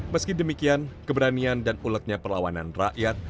meski demikian keberanian dan uletnya perlawanan rakyat